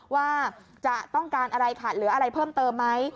ว่าจะต้องการอะไรขาดเหลืออะไรเพิ่มเติมไหม